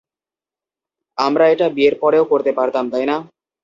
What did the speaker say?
আমরা এটা বিয়ের পরেও করতে পারতাম তাই না?